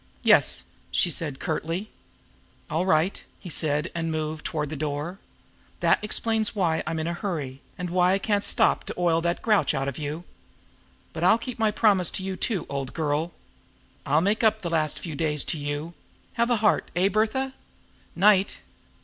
"Yes," she said curtly. "All right!" he said and moved toward the door. "That explains why I'm in a hurry and why I can't stop to oil that grouch out of you. But I'll keep my promise to you, too, old girl. I'll make up the last few days to you. Have a heart, eh, Bertha! 'Night!"